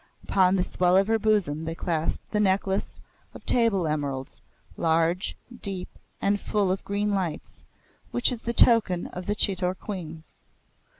Upon the swell of her bosom they clasped the necklace of table emeralds, large, deep, and full of green lights, which is the token of the Chitor queens.